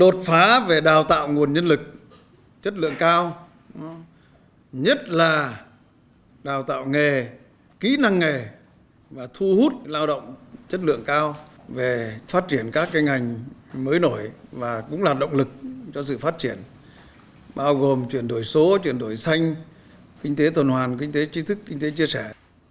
đột phá về đào tạo nguồn nhân lực chất lượng cao nhất là đào tạo nghề kỹ năng nghề và thu hút lao động chất lượng cao về phát triển các ngành mới nổi và cũng là động lực cho sự phát triển bao gồm chuyển đổi số chuyển đổi xanh kinh tế tuần hoàn kinh tế trí thức kinh tế chia sẻ